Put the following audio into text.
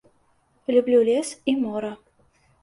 Люблю лес і мора.